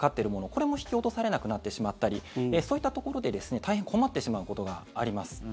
これも、引き落とされなくなってしまったりそういったところで大変困ってしまうことがあります。